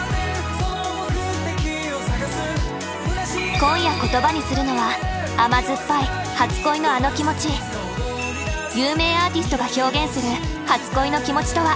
今夜言葉にするのは有名アーティストが表現する初恋の気持ちとは。